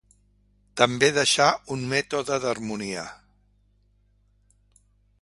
També deixà un mètode d'harmonia.